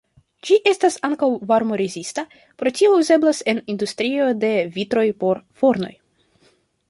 Ĝi estas ankaŭ varmo-rezista, pro tio uzeblas en industrio de vitroj por fornoj.